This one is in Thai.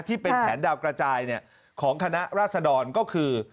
ที่เป็นแผนดาวกระจายของคณะราษดรก็คือ